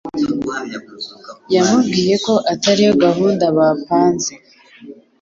Yamubwiyeko atari yo gahunda bapanze